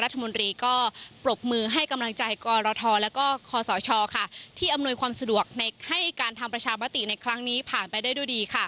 ที่อำนวยความสะดวกให้การทำประชาบติในครั้งนี้ผ่านไปได้ด้วยดี